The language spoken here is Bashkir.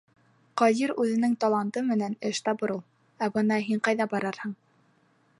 Ҡадир үҙенең таланты менән эш табыр ул, ә бына һин ҡайҙа барырһың?